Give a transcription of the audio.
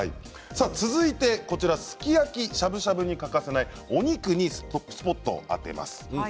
さあ続いてこちらすき焼きしゃぶしゃぶに欠かせないお肉にスポットを当てます。